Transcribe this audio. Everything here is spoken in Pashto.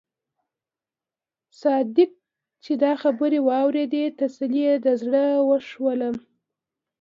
قاصد چې دا خبرې واورېدلې تسلي یې د زړه وشوله.